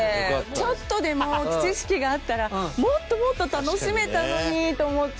ちょっとでも知識があったらもっともっと楽しめたのにと思って。